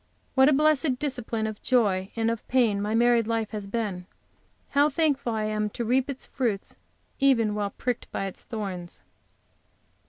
What a blessed discipline of joy and of pain my married life has been; how thankful I am to reap its fruits even while pricked by its thorns!